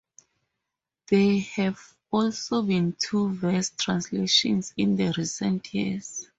There have also been two verse translations in recent years.